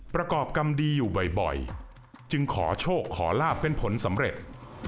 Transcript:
ประกอบกรรมดีอยู่บ่อยจึงขอโชคขอลาบเป็นผลสำเร็จ